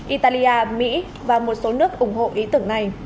italia mỹ và một số nước ủng hộ ý tưởng này